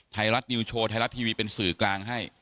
ไทยรัฐนิวโชว์ไทยรัฐทีวีเป็นสื่อกลางให้